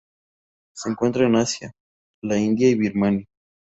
Se encuentran en Asia: la India y Birmania.